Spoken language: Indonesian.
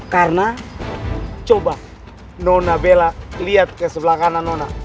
karena coba nona bella lihat ke sebelah kanan nona